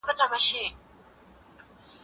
عدالت د ټولنیز نظام بنسټ دی.